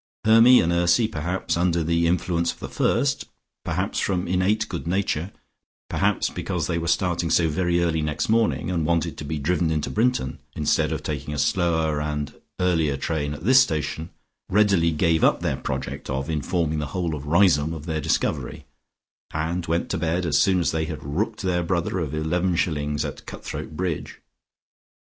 Hermy and Ursy, perhaps under the influence of the first, perhaps from innate good nature, perhaps because they were starting so very early next morning, and wanted to be driven into Brinton, instead of taking a slower and earlier train at this station, readily gave up their project of informing the whole of Riseholme of their discovery, and went to bed as soon as they had rooked their brother of eleven shillings at cut throat bridge.